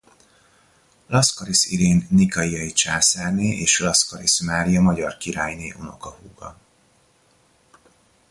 Laszkarisz Irén nikaiai császárné és Laszkarisz Mária magyar királyné unokahúga.